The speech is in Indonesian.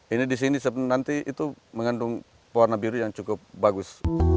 ini di sini nanti itu mengandung pewarna biru yang cukup bagus